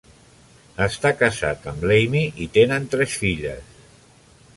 Està casat amb l'Amy i tenen tres filles.